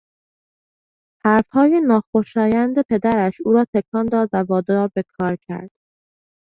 حرفهای ناخوشایند پدرش او را تکان داد و وادار به کار کرد.